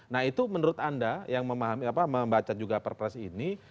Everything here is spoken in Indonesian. nah itu menurut anda yang membaca juga perpres ini